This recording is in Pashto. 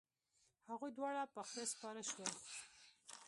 هغوی دواړه په خره سپاره شول.